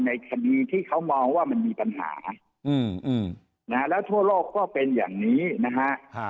ในคดีที่เขามองว่ามันมีปัญหาแล้วทั่วโลกก็เป็นอย่างนี้นะฮะ